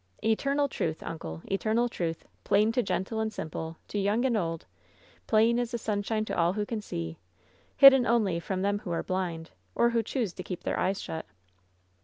"Eternal truth, uncle, eternal truth; plain to gentle and simple, to young and old ; plain as the sunshine to all who can see ; hidden only from them who are blind, or who choose to keep their eyes shut."